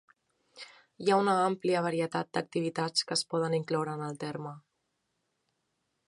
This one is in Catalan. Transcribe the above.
Hi ha una àmplia varietat d'activitats que es poden incloure en el terme.